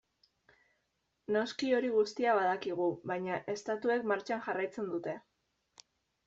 Noski hori guztia badakigu, baina estatuek martxan jarraitzen dute.